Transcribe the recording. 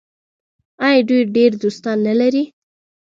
آیا دوی ډیر دوستان نلري؟